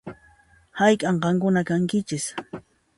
Hayk'an qankuna kankichis?